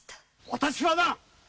私はな！